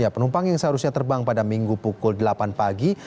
penumpang yang seharusnya terbang pada minggu pukul delapan pagi